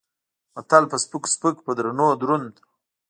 متل: په سپکو سپک په درونو دروند.